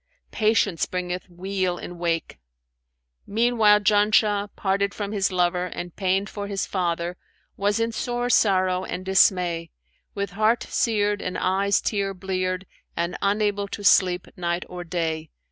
Patience bringeth weal in wake.' Meanwhile Janshah, parted from his lover and pained for his father, was in sore sorrow and dismay, with heart seared and eyes tear bleared and unable to sleep night or day.